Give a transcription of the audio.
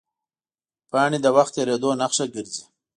پاڼې د وخت تېرېدو نښه ګرځي